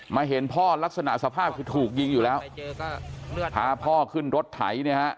เห็นพ่อลักษณะสภาพคือถูกยิงอยู่แล้วพาพ่อขึ้นรถไถเนี่ยฮะ